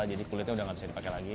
jadi kulitnya udah gak bisa dipakai lagi